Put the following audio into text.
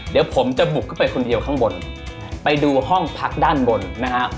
เดี๋ยวผมจะบุกเข้าไปคนเดียวข้างบนไปดูห้องพักด้านบนนะฮะ